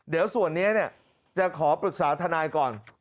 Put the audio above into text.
เดี๋ยวส่วนนี้จะขอปรึกษาทนายก่อน